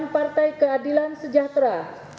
partai keadilan sejahtera